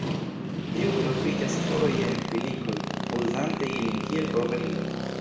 Tiu troviĝas foje en filikoj, uzante ilin kiel kovrilo.